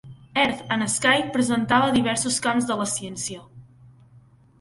Earth and Sky presentava diversos camps de la ciència.